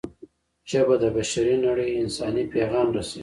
ژبه د بشري نړۍ انساني پیغام رسوي